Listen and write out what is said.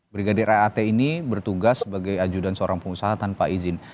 brigadir aat ini bertugas sebagai ajudan seorang pengusaha tanpa izin